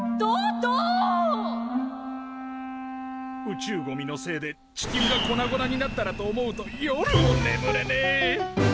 宇宙ゴミのせいで地球が粉々になったらと思うと夜もねむれねえ！